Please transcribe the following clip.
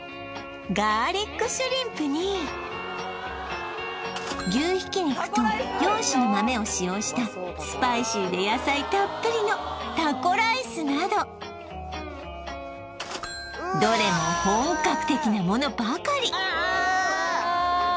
ガーリックシュリンプに牛ひき肉と４種の豆を使用したスパイシーで野菜たっぷりのタコライスなどどれも本格的なものばかりああーっ